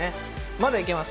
まだいけます。